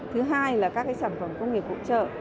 thứ hai là các sản phẩm công nghiệp hỗ trợ